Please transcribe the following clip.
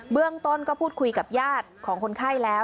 เรื่องต้นก็พูดคุยกับญาติของคนไข้แล้ว